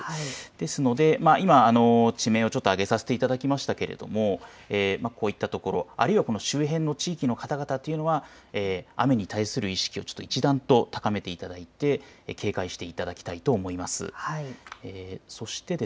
ですので地名をちょっと挙げさせていただきましたけれどこういったところあるいはこの周辺の地域の方々雨に対する意識を一段と高めていただいて警戒していただきたいと思います。